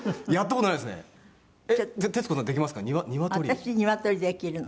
私鶏できるの。